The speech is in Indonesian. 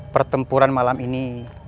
pertempuran malam ini